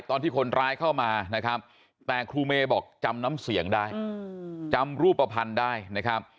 ตอนที่คนร้ายเข้ามานะครับแต่ครูเมย์บอกจำน้ำเสียงได้จำรูปภัณฑ์ได้นะครับ